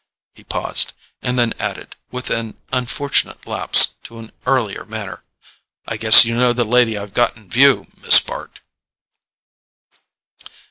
He paused, and then added, with an unfortunate lapse to an earlier manner: "I guess you know the lady I've got in view, Miss Bart."